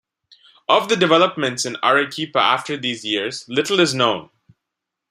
Of the developments in Arequipa after these years little is known.